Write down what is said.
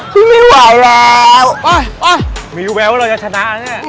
ไม่รู้แวว่าเราจะชนะอ่ะเนี่ย